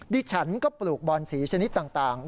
ดิฉันก็ปลูกบอนสีชนิดต่าง